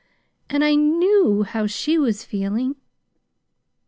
And I KNEW how she was feeling."